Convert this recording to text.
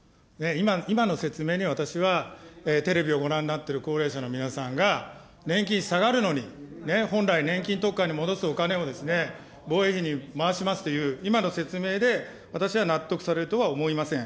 今の説明で、私はテレビをご覧になってる高齢者の皆さんが、年金下がるのに、本来年金に戻すお金を防衛費に回しますという、今の説明で、私は納得されるとは思いません。